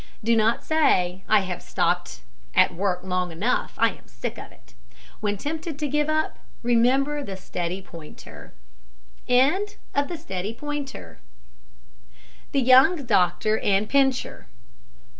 Do not say, I have stopped at work long enough, I am sick of it. When tempted to give up, remember the steady pointer. THE YOUNG DOCTOR AND PINCHER.